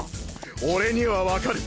俺にはわかる。